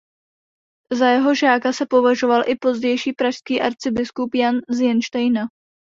Za jeho žáka se považoval i pozdější pražský arcibiskup Jan z Jenštejna.